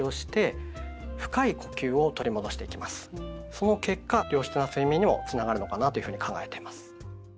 その結果良質な睡眠にもつながるのかなというふうに考えています。